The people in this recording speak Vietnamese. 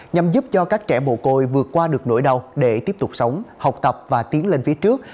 nhằm giúp cho các trẻ mồ côi vượt qua được nỗi đau để tiếp tục sống học tập và tiến lên phía trước